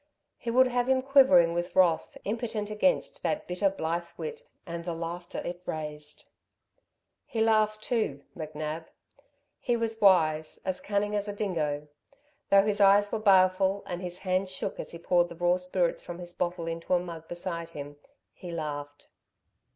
He would have him quivering with wrath, impotent against that bitter, blithe wit and the laughter it raised. He laughed too McNab. He was wise, as cunning as a dingo. Though his eyes were baleful, and his hands shook as he poured the raw spirits from his bottle into a mug beside him, he laughed.